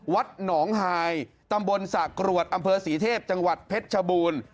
วัดหนองหายตำบลสะกรวดอำเภอศรีเทพจังหวัดเพชรชบูรณ์